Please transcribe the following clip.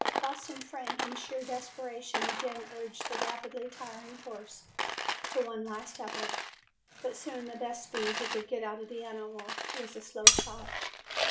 Boston Frank in sheer desperation again urged the rapidly tiring horse to one last effort, but soon the best speed he could get out of the animal was a slow trot.